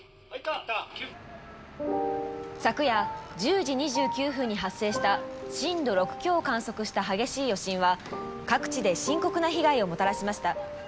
昨夜１０時２９分に発生した震度６強を観測した激しい余震は各地で深刻な被害をもたらしました。